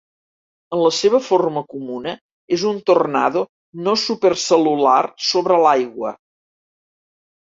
En la seva forma comuna, és un tornado no supercel·lular sobre l'aigua.